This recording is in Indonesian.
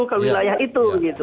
ke wilayah itu